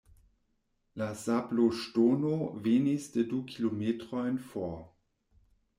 La sabloŝtono venis de du kilometrojn for.